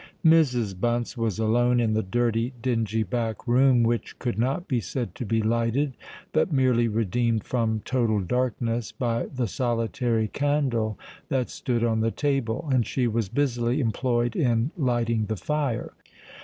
Mrs. Bunce was alone in the dirty, dingy back room, which could not be said to be lighted, but merely redeemed from total darkness, by the solitary candle that stood on the table; and she was busily employed in lighting the fire.